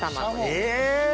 え！